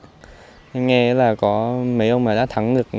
em nghe là có mấy ông đã thắng được